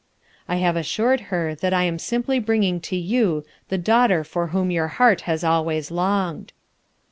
I have assured her that I am simply bringing to you the daugh ter for whom your heart has always longed.'